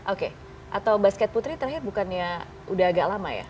oke atau basket putri terakhir bukannya udah agak lama ya